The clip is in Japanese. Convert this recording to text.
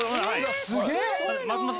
・すげえ！